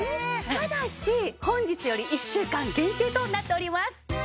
ただし本日より１週間限定となっております。